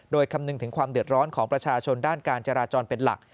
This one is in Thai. โดยคำนึงถึงความเดือดร้อนของประชาชนด้านการจราจรเป็นหลัก